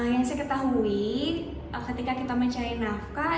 yang saya ketahui ketika kita mencari nafkah